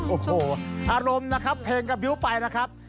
โอ้โหอารมณ์นะครับเพลงกระบิ้วไปนะครับ